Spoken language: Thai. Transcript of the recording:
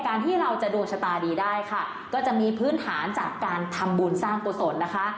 ที่เราจะดวงชะตาดีได้ค่ะก็จะมีพื้นฐานจากการทำบุญสร้างกุศลนะคะ